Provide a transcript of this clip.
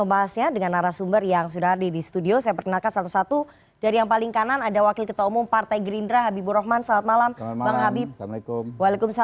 bang ade armando selamat malam